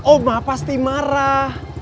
oma pasti marah